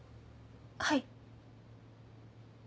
はい。